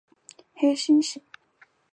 黑猩猩。